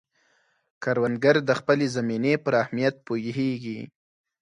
کروندګر د خپلې زمینې پر اهمیت پوهیږي